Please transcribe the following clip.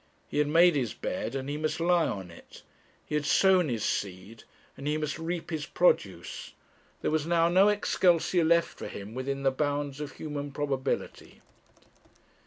He had made his bed, and he must lie on it; he had sown his seed, and he must reap his produce; there was now no 'Excelsior' left for him within the bounds of human probability.